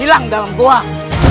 hilang dalam buah